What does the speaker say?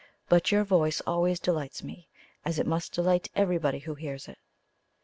But your voice always delights me as it must delight everybody who hears it."